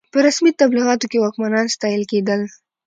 په رسمي تبلیغاتو کې واکمنان ستایل کېدل.